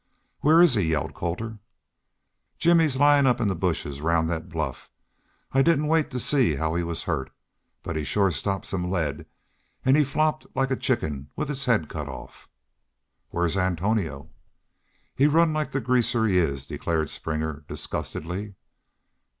"Where is he?" yelled Colter. "Jim he's layin' up in the bushes round thet bluff. I didn't wait to see how he was hurt. But he shore stopped some lead. An' he flopped like a chicken with its haid cut off." "Where's Antonio?" "He run like the greaser he is," declared Springer, disgustedly.